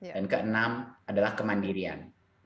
dan keenam adalah kemandirian